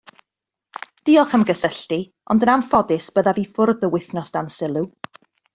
Diolch am gysylltu, ond yn anffodus byddaf i ffwrdd yr wythnos dan sylw.